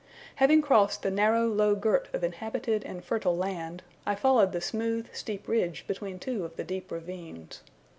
Having crossed the narrow low girt of inhabited and fertile land, I followed a smooth steep ridge between two of the deep ravines.